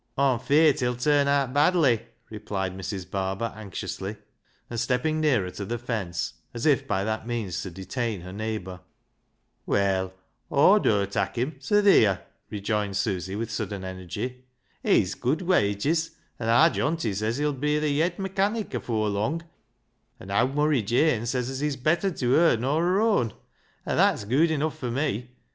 Aw'm feart he'll turn aat badly," replied Mrs. Barber anxiously, and stepping nearer to the fence, as if by that means to detain her neigh bour. "Well, ^wdur tak' him; so theer," rejoined Susy with sudden energy. " He's gooid wages, an' aar Johnty says as he'll be th' yed mechanic afoor lung, and owd Murry Jane says as he's better tew her nor her own. An' that's gooid enuff fur me.